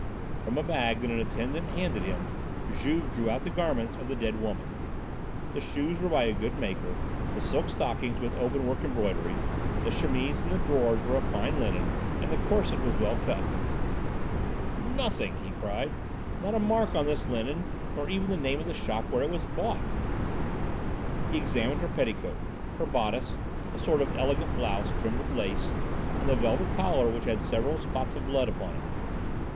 From a bag that an attendant handed him Juve drew out the garments of the dead woman. The shoes were by a good maker, the silk stockings with open work embroidery, the chemise and the drawers were of fine linen and the corset was well cut. "Nothing," he cried, "not a mark on this linen nor even the name of the shop where it was bought." He examined her petticoat, her bodice, a sort of elegant blouse, trimmed with lace, and the velvet collar which had several spots of blood upon it.